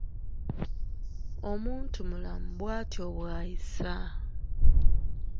Omuntumulamu bwatyo bw’ayisa.